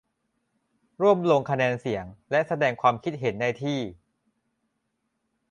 ร่วมลงคะแนนเสียง และแสดงความเห็นได้ที่